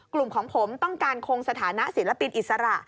กลุ่มของผมต้องการคงสถานะศิลปินอิสระ